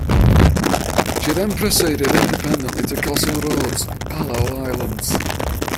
She then proceeded independently to Kossol Roads, Palau Islands.